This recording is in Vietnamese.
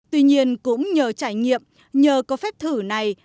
tuy nhiên cũng nhờ trải nghiệm nhờ có phép thử này